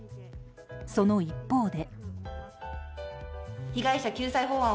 その一方で。